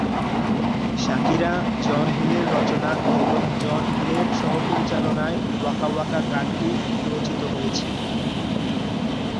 শাকিরা-জন হিলের রচনা এবং জন হিলের সহ-পরিচালনায় ওয়াকা ওয়াকা গানটি রচিত হয়েছে।